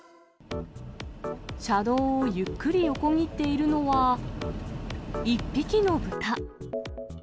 車道をゆっくり横切っているのは、１匹の豚。